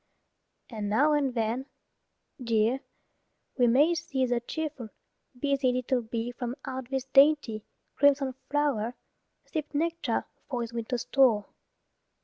And now and then, dear, we may see The cheerful, busy little bee From out this dainty, crimson flow'r, Sip nectar for his winter store.